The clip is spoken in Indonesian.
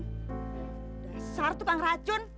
desar tukang racun